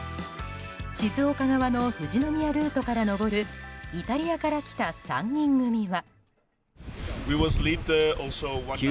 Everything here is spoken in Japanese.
静岡側の富士宮ルートから登るイタリアから来た３人組は。